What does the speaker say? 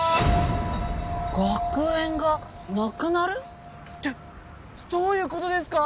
学園がなくなる？ってどういう事ですか？